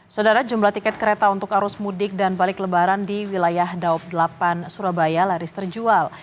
saudara jumlah tiket kereta untuk arus mudik dan balik lebaran di wilayah daob delapan surabaya laris terjual